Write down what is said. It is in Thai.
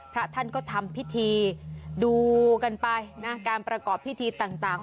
พระท่านก็ทำพิธีดูกันไปนะการประกอบพิธีต่าง